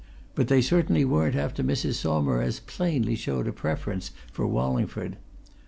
But they certainly weren't after Mrs. Saumarez plainly showed a preference for Wallingford.